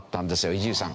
伊集院さん